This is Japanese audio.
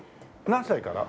何歳から？